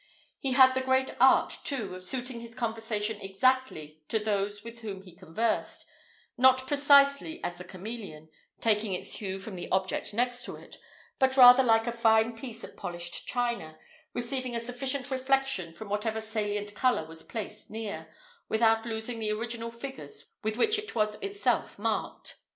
He had the great art, too, of suiting his conversation exactly to those with whom he conversed; not precisely as the cameleon, taking its hue from the object next to it, but rather like a fine piece of polished china, receiving a sufficient reflection from whatever salient colour was placed near, without losing the original figures with which it was itself marked.